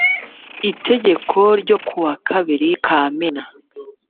itegeko ryo kuwa kabiri kamena